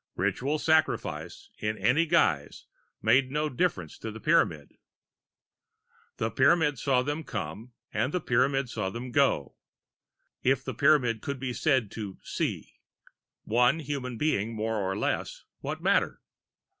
Ritual sacrifice in any guise made no difference to the Pyramid. The Pyramid saw them come and the Pyramid saw them go if the Pyramid could be said to "see." One human being more or less, what matter?